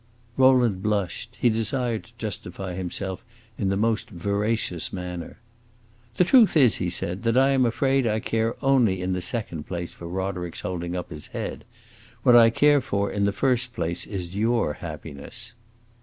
Rowland blushed; he desired to justify himself in the most veracious manner. "The truth is," he said, "that I am afraid I care only in the second place for Roderick's holding up his head. What I care for in the first place is your happiness."